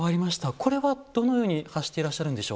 これはどのように発していらっしゃるんでしょう。